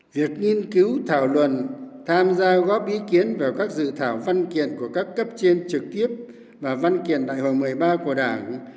việc nghiên cứu thảo luận tham gia góp ý kiến vào các dự thảo văn kiện của các cấp trên trực tiếp và văn kiện đại hội một mươi ba của đảng